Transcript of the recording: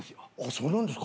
そうなんですか。